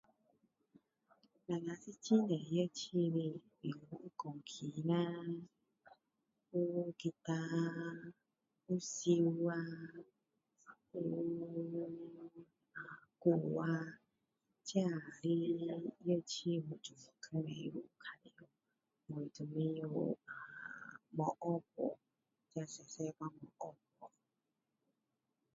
我们是很多乐器的有钢琴啦有 guitar 啦有笛啦有啊鼓啊这的乐器都是能够玩我都是没学过这小小时没学过